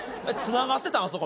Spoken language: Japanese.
つながってたん？